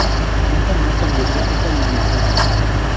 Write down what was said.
Nunca más cambiaría esta alineación.